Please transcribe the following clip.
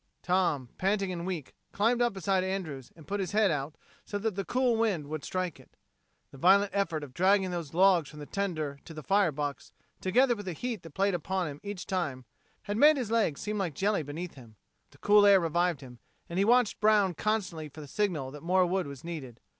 Tom, panting and weak, climbed up beside Andrews and put his head out so that the cool wind would strike it. The violent effort of dragging those logs from the tender to the fire box, together with the heat that played upon him each time, had made his legs seem like jelly beneath him. But the cool air revived him, and he watched Brown constantly for the signal that more wood was needed.